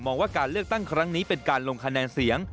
ว่าการเลือกตั้งครั้งนี้เป็นการลงคะแนนเสียง